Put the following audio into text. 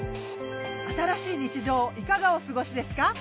新しい日常いかがお過ごしですか？